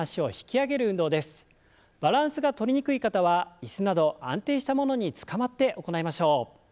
バランスがとりにくい方は椅子など安定したものにつかまって行いましょう。